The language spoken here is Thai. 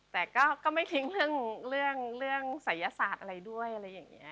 แต่ก็ไม่ทิ้งเรื่องศัยศาสตร์อะไรด้วยอะไรอย่างนี้